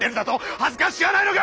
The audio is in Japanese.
恥ずかしくはないのか！